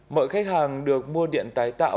mọi khách hàng được mua điện tái tạo